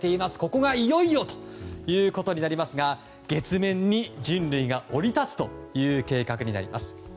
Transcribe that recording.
ここがいよいよとなりますが月面に人間が降り立つ計画になります。